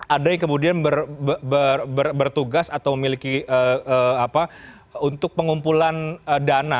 ada yang kemudian bertugas atau memiliki untuk pengumpulan dana